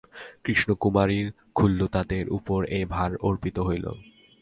কৃষ্ণকুমারীর খুল্লতাতের উপর এই ভার অর্পিত হইল।